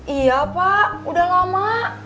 iya pak udah lama